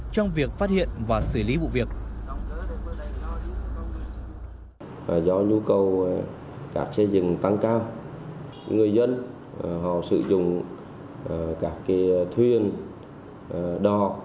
trong việc phát hiện cát trái phép